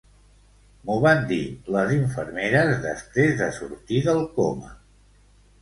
M'ho van dir les infermeres després de sortir del coma.